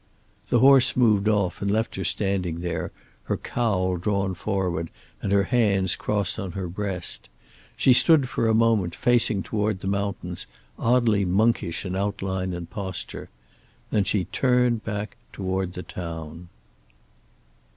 The horse moved off and left her standing there, her cowl drawn forward and her hands crossed on her breast. She stood for a moment, facing toward the mountains, oddly monkish in outline and posture. Then she turned back toward the town.